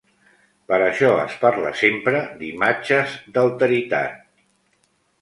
Per això es parla sempre d'imatges d'alteritat.